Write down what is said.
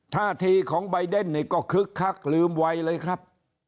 ท่าทีของใบเดนนี่ก็คึกคักลืมไวเลยครับ